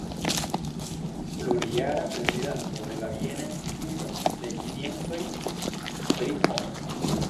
Plurjara prezidanto de la Viena Instituto de Sciencoj pri Homo.